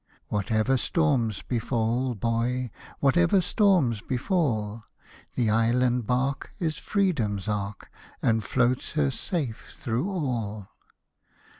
Whatever storms befall, boy, Whatever storms befall, The island bark Is Freedom's ark. And floats her safe through all.